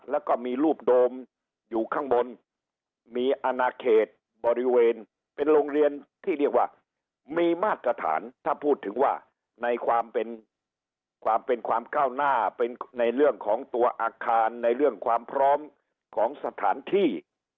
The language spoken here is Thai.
แล้วก็มีรูปโดมอยู่ข้างบนมีอนาเขตบริเวณเป็นโรงเรียนที่เรียกว่ามีมาตรฐานถ้าพูดถึงว่าในความเป็นความเป็นความก้าวหน้าเป็นในเรื่องของตัวอาคารในเรื่องความพร้อมของสถานที่